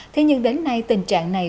thế nhưng đến nay tình trạng này